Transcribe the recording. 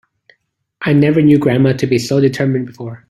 I never knew grandma to be so determined before.